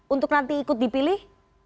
untuk nanti ikut dipilih